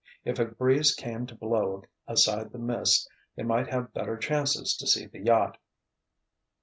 If a breeze came to blow aside the mist they might have better chances to see the yacht.